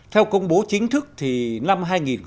theo công bố chính thức thì năm hai nghìn một mươi chín